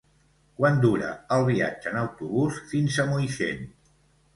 Quant dura el viatge en autobús fins a Moixent?